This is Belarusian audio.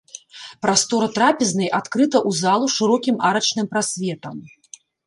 Прастора трапезнай адкрыта ў залу шырокім арачным прасветам.